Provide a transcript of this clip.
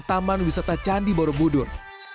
taman wisata candi borobudur